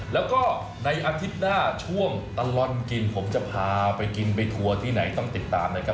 แล้วก็ในอาทิตย์หน้าช่วงตลอดกินผมจะพาไปกินไปทัวร์ที่ไหนต้องติดตามนะครับ